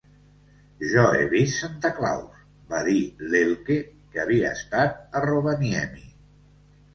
Jo he vist Santa Claus —va dir l'Elke, que havia estat a Rovaniemi.